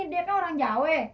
dia kan orang jawa